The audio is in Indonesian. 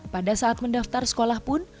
pada saat mendaftar sekolah pun